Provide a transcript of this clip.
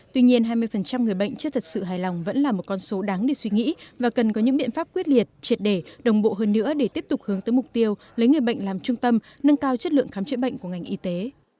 tuy nhiên hai mươi người bệnh chưa thật sự hài lòng vẫn là một con số đáng để suy nghĩ và cần có những biện pháp quyết liệt triệt đề đồng bộ hơn nữa để tiếp tục hướng tới mục tiêu lấy người bệnh làm trung tâm nâng cao chất lượng khám chữa bệnh của ngành y tế